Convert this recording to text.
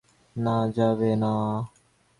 না, যাবে না।